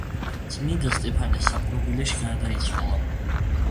წმინდა სტეფანე საპყრობილეში გარდაიცვალა.